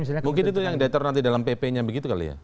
mungkin itu yang diatur nanti dalam pp nya begitu kali ya